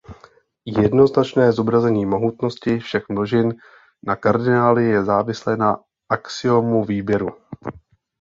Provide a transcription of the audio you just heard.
Jednoznačné zobrazení mohutnosti všech množin na kardinály je závislé na axiomu výběru.